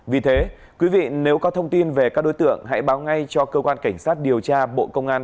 vì thế quý vị nếu có thông tin về các đối tượng hãy báo ngay cho cơ quan cảnh sát điều tra bộ công an